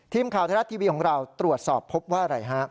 ทีมข่าวไทยรัฐทีวีของเราตรวจสอบพบว่าอะไรฮะ